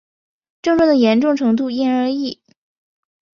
症状的严重程度因人而异。